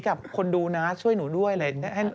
กับคนดูนะช่วยหนูด้วยอะไรอย่างนี้